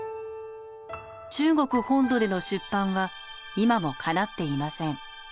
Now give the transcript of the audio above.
中国本土での出版は今もかなっていません。